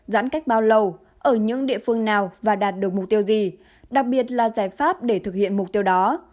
giãn cách bao lâu ở những địa phương nào và đạt được mục tiêu gì đặc biệt là giải pháp để thực hiện mục tiêu đó